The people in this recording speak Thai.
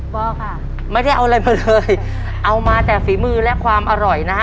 พอค่ะไม่ได้เอาอะไรมาเลยเอามาแต่ฝีมือและความอร่อยนะฮะ